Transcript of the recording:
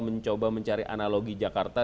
mencoba mencari analogi jakarta